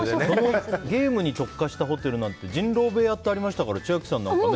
ゲームに特化したホテルなんて人狼部屋ってありましたから千秋さんなんか。